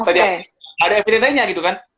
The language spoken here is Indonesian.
tadi ada evidentenya gitu kan